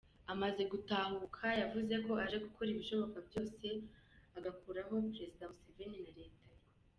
Amaze gutahuka yavuze ko aje gukora ibishoboka byose agakuraho Perezida Museveni na Leta ye.